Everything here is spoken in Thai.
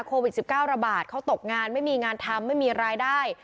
โควิด๑๙ระบาดเขาตกงานไม่มีงานทำไม่มีรายได้